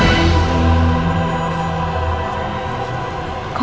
aku gak tau mbah